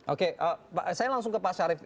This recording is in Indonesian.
oke saya langsung ke pak syarif